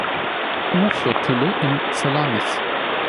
U-Flottille in Salamis.